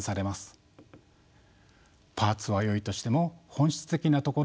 パーツはよいとしても本質的なところが欠落しています。